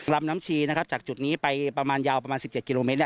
ลำน้ำชีจากจุดนี้ไปประมาณยาว๑๗กิโลเมตร